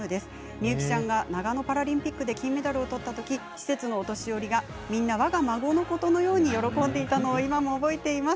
深雪ちゃんがパラリンピックで金メダルをとったとき施設のお年寄りたちがみんな、わが孫のことのように喜んでいたのを覚えています。